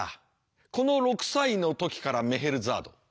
この６歳の時からメヘルザード